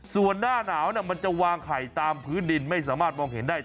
ส่วนหน้าหนาวมันจะวางไข่ตามพื้นดินไม่สามารถมองเห็นได้